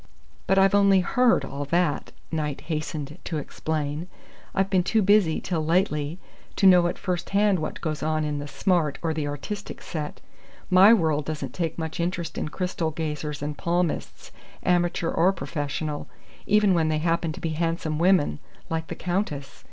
"But I've only heard all that," Knight hastened to explain. "I've been too busy till lately to know at first hand what goes on in the 'smart' or the artistic set. My world doesn't take much interest in crystal gazers and palmists, amateur or professional, even when they happen to be handsome women, like the Countess.